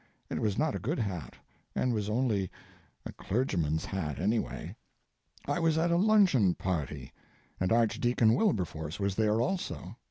It was not a good hat, and was only a clergyman's hat, anyway. I was at a luncheon party, and Archdeacon Wilberforce was there also.